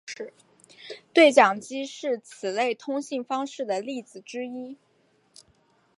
对讲机是此类通信方式的例子之一。